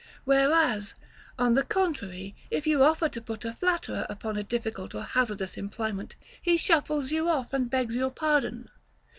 Whereas, on the contrary, if you offer to put a flatterer upon a difficult or hazardous employment, he shuffles you off and begs your pardon.